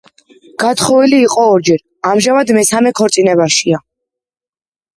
გათხოვილი იყო ორჯერ, ამჟამად მესამე ქორწინებაშია.